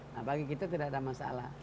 nah bagi kita tidak ada masalah